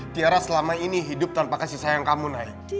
tiara selama ini hidup tanpa kasih sayang kamu naik